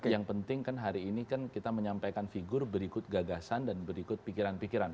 yang penting kan hari ini kan kita menyampaikan figur berikut gagasan dan berikut pikiran pikiran